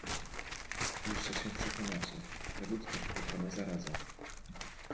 Jeszcze się przekonacie, że ludzkość pokona zaraza.